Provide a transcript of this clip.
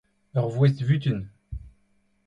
ur voest-vutun.